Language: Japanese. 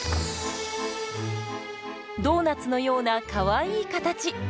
ドーナツのようなかわいい形。